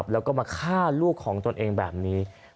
แล้วก็มาฆ่าลูกของตนเองแบบนี้